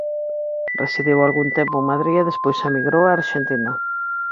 Residiu algún tempo en Madrid e despois emigrou a Arxentina.